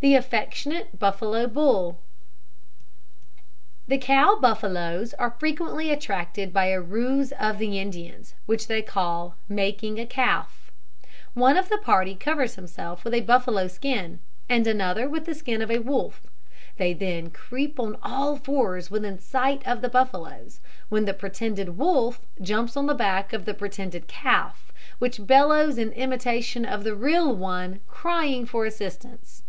THE AFFECTIONATE BUFFALO BULL. The cow buffaloes are frequently attracted by a ruse of the Indians, which they call "making a calf." One of the party covers himself with a buffalo skin, and another with the skin of a wolf. They then creep on all fours within sight of the buffaloes, when the pretended wolf jumps on the back of the pretended calf, which bellows in imitation of the real one, crying for assistance.